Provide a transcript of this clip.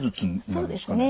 そうですね。